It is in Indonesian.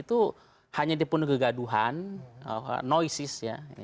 itu hanya dipenuhi kegaduhan noises